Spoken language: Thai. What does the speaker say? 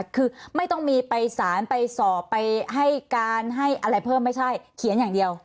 คือไม่ต้องมีไปสารไปสอบไปให้การให้อะไรเพิ่มไม่ใช่เขียนอย่างเดียว